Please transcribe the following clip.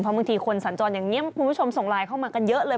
บางทีคนสัญจรอย่างนี้คุณผู้ชมส่งไลน์เข้ามากันเยอะเลย